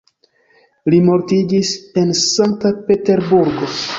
Li mortiĝis en Sankta Peterburgo.